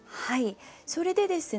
それでですね